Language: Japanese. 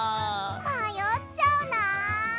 まよっちゃうな。